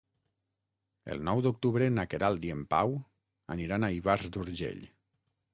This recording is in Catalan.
El nou d'octubre na Queralt i en Pau aniran a Ivars d'Urgell.